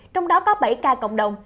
trong đó có bảy ca cộng đồng